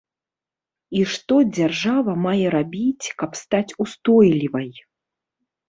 І што дзяржава мае рабіць, каб стаць устойлівай?